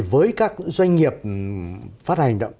với các doanh nghiệp phát hành